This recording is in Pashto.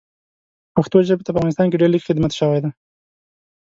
پښتو ژبې ته په افغانستان کې ډېر لږ خدمت شوی ده